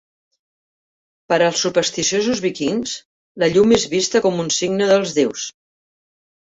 Per als supersticiosos víkings, la llum és vista com un signe dels déus.